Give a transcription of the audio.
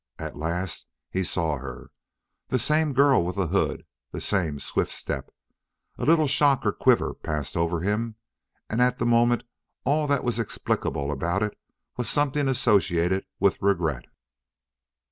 At last he saw her the same girl with the hood, the same swift step. A little shock or quiver passed over him, and at the moment all that was explicable about it was something associated with regret.